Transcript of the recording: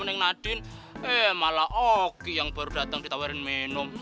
neng nadine eh malah oki yang baru datang ditawarin minum